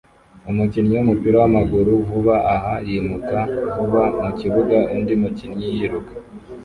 Umukinnyi wumupira wamaguru vuba aha yimuka vuba mukibuga undi mukinnyi yiruka